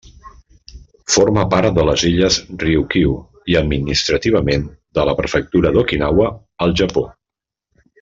Forma part Illes Ryūkyū i, administrativament, de la Prefectura d'Okinawa, al Japó.